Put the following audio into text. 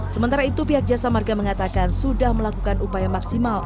sementara itu pihak jasa marga mengatakan sudah melakukan upaya maksimal